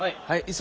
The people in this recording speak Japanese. はい。